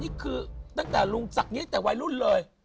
นี่คือตั้งแต่ลุงศักดิตั้งแต่วัยรุ่นเลย